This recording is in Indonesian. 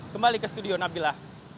kembali ke studio nabila